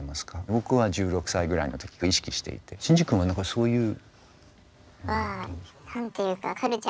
僕は１６歳ぐらいの時から意識していてシンジ君は何かそういう。